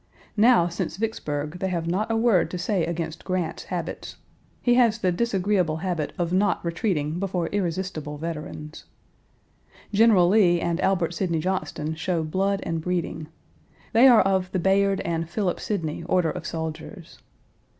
Now, since Vicksburg they have not a word to say against Grant's habits. He has the disagreeable habit of not retreating before irresistible veterans. General Lee and Albert Sidney Johnston show blood and breeding. They are of the Bayard and Philip Sidney order of soldiers.